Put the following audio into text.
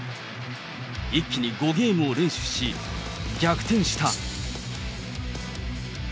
一気に５ゲームを連取し、逆転した。